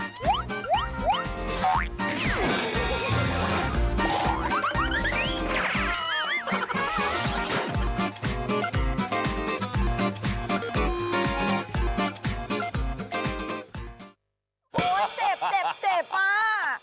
โหเจ็บบ้า